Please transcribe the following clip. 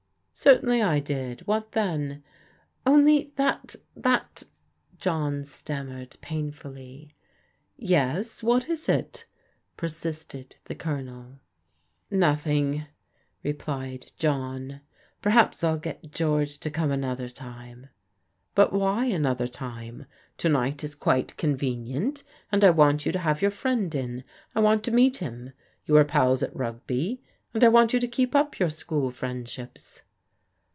" Certainly I did. What then ?"Only that — that " John stanunered painfully. Yes, what is it ?" persisted the Colonel " Nothing," replied John ;" perhaps 111 get Geoi^ to come another time." "But why another time? To night is quite conve nient, and I want you to have your friend in. I want to meet him. You were pals at Rugby, and I want you to keep up your school friendships."